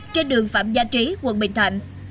trên đường phạm gia trí quận bình thạnh